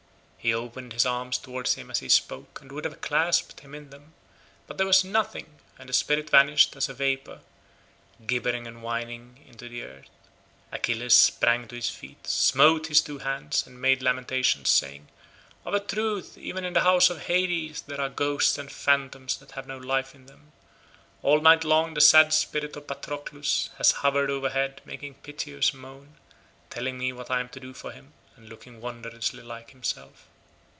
He opened his arms towards him as he spoke and would have clasped him in them, but there was nothing, and the spirit vanished as a vapour, gibbering and whining into the earth. Achilles sprang to his feet, smote his two hands, and made lamentation saying, "Of a truth even in the house of Hades there are ghosts and phantoms that have no life in them; all night long the sad spirit of Patroclus has hovered over head making piteous moan, telling me what I am to do for him, and looking wondrously like himself."